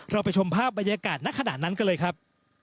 เราไปชมภาพบรรยากาศณขณะนั้นกันเลยครับ